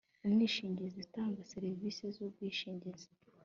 umwishingizi utanga serivisi z'ubwishingizi